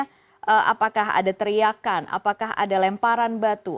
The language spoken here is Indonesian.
apakah ada teriakan apakah ada lemparan batu